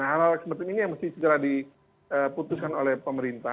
hal hal seperti ini yang mesti segera diputuskan oleh pemerintah